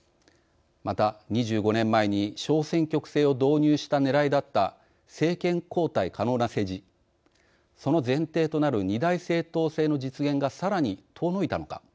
また、２５年前に小選挙区制を導入したねらいだった政権交代可能な政治その前提となる２大政党制の実現がさらに遠のいたのか。